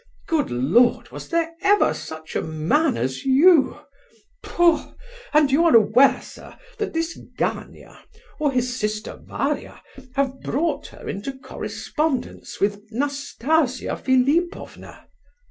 Good Lord, was there ever such a man as you? Tfu! and are you aware, sir, that this Gania, or his sister Varia, have brought her into correspondence with Nastasia Philipovna?"